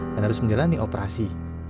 dan harus menjalani operasi